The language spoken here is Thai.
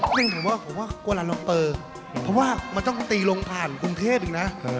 ผมว่ากัวลาลัมเปอร์เพราะว่ามันต้องตีลงผ่านกรุงเทพฯอีกนะ